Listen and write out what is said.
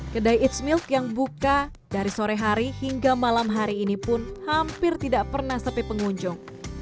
kedai ⁇ its ⁇ milk yang buka dari sore hari hingga malam hari ini pun hampir tidak pernah sepi pengunjung